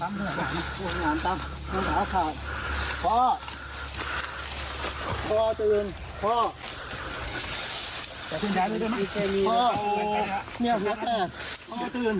รับรัดเช็มขัดเลยครับ